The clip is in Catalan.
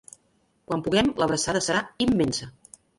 Quan puguem, l’abraçada serà immensa.